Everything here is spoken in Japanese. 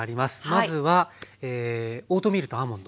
まずはオートミールとアーモンド。